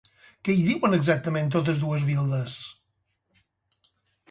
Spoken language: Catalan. Què hi diuen exactament totes dues vil·les?